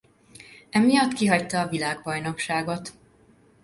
Emiatt kihagyta a világbajnokságot.